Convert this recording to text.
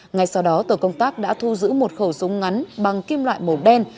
ngay sau đó tổ công tác đã thu giữ một khẩu súng ngắn bằng kim loại màu đen